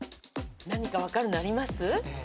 何か分かるのあります？